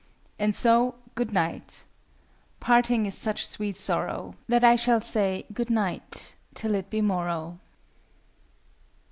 And so, good night! Parting is such sweet sorrow, that I shall say "good night!" till it be morrow.